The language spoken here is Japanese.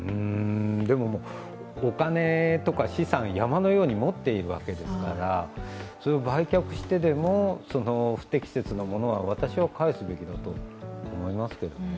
でも、お金とか資産、山のように持っているわけですからそれを売却してでも不適切なものを私は返すべきだと思います。